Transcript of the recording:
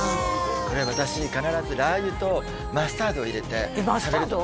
これ私必ずラー油とマスタードを入れてえっマスタード？